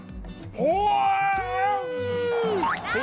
เสียงไทย